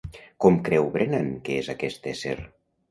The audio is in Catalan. Com creu Brenan que és aquest ésser?